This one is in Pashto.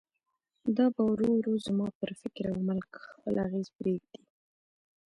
دا به ورو ورو زما پر فکر او عمل خپل اغېز پرېږدي.